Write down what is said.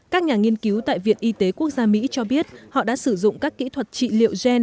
các nhà nghiên cứu tại viện y tế quốc gia mỹ cho biết họ đã sử dụng các kỹ thuật trị liệu gen